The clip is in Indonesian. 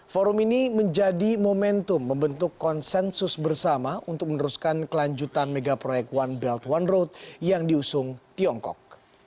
forum ini menjadi momentum membentuk konsensus bersama untuk meneruskan kelanjutan mega proyek one belt one road yang diusung tiongkok